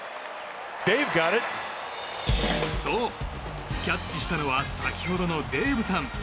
そう、キャッチしたのは先ほどのデイブさん。